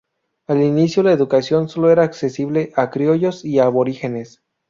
Al inicio la educación solo era accesible a criollos y aborígenes.